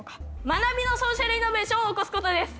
学びのソーシャルイノベーションを起こすことです。